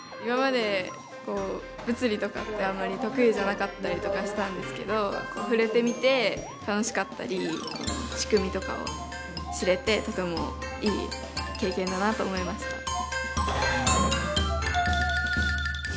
今まで物理とかってあんまり得意じゃなかったりとかしたんですけど触れてみて楽しかったり仕組みとかを知れてとてもいい経験だなと思いました。